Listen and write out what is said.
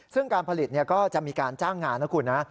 ซึ่งการผลิตก็จะมีการจ้างงานนะคุณนะ